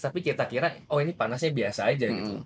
tapi kita kira oh ini panasnya biasa aja gitu